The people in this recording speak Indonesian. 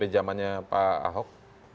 pada zamannya pak ahok